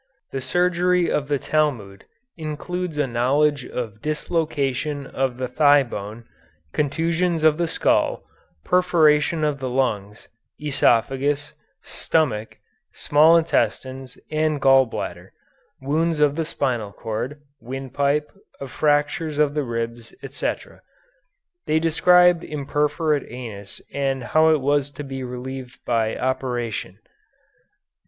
The surgery of the Talmud includes a knowledge of dislocation of the thigh bone, contusions of the skull, perforation of the lungs, oesophagus, stomach, small intestines, and gall bladder; wounds of the spinal cord, windpipe, of fractures of the ribs, etc. They described imperforate anus and how it was to be relieved by operation.